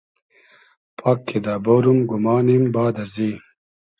پاک کیدہ بۉروم گومانیم باد ازی